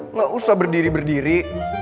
nggak usah berdiri berdiri